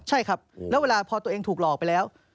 ใช่ครับแล้วเวลาพอตัวเองถูกหลอกไปแล้ว